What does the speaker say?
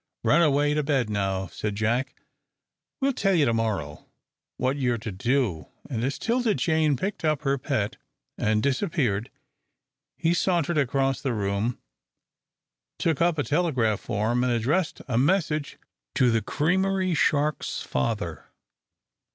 "Run away to bed now," said Jack. "We'll tell you to morrow what you're to do," and as 'Tilda Jane picked up her pet and disappeared, he sauntered across the room, took up a telegraph form, and addressed a message to the creamery shark's father.